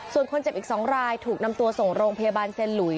ส่วนคนเจ็บอีก๒รายถูกนำตัวส่งโรงพยาบาลเซ็นหลุย